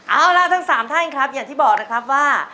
เอาล่ะทั้ง๓ท่านครับอย่างที่บอกนะครับว่า